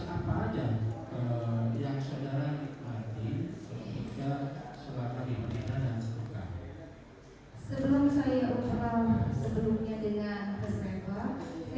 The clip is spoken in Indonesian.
apakah saudara tahu enggak